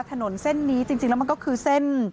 ถนนเส้นนี้จริงแล้วมันก็คือเส้น